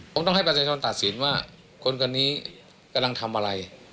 ผมต้องให้ประชาชนตัดสินว่าคนคนนี้กำลังทำอะไร